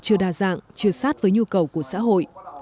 chưa đa dạng chưa sát với nhu cầu của xã hội